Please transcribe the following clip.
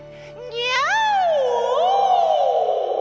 ニャオ！